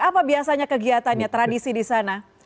apa biasanya kegiatannya tradisi di sana